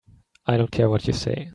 I don't care what you say.